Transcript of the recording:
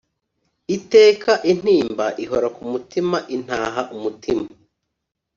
Iteka intimba ihora kumutima Intaha umutima